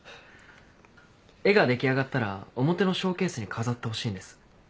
絵が出来上がったら表のショーケースに飾ってほしいんです。